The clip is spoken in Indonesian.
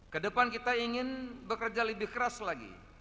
kedepan kita ingin bekerja lebih keras lagi